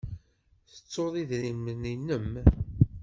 Tettuḍ idrimen-nnem?